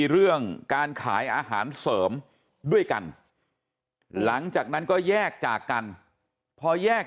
เรื่องการขายอาหารเสริมด้วยกันหลังจากนั้นก็แยกจากกันพอแยก